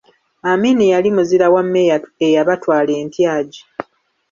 Amini yali muzira wamma eyabatwala entyagi.